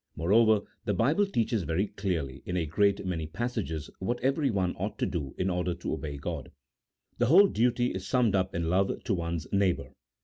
Moreover, the Bible teaches very clearly in a great many passages what everyone ought to do in order to obey God; the whole duty is summed up in love to one's neighbour.